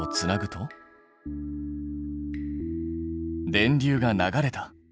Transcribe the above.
電流が流れた。